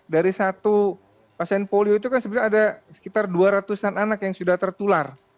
dari satu pasien polio itu kan sebenarnya ada sekitar dua ratus an anak yang sudah tertular